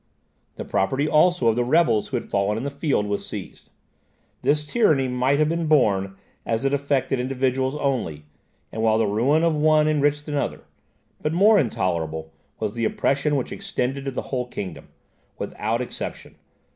The property also of the rebels who had fallen in the field was seized. This tyranny might have been borne, as it affected individuals only, and while the ruin of one enriched another; but more intolerable was the oppression which extended to the whole kingdom, without exception.